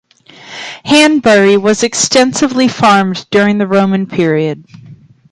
Hanbury was extensively farmed during the Roman period.